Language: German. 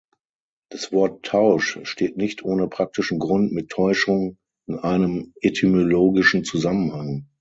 Das Wort „Tausch“ steht nicht ohne praktischen Grund mit „Täuschung“ in einem etymologischen Zusammenhang.